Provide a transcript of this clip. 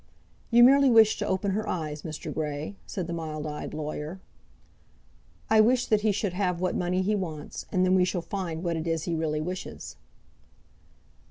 "You merely wish to open her eyes, Mr. Grey," said the mild eyed lawyer. "I wish that he should have what money he wants, and then we shall find what it is he really wishes."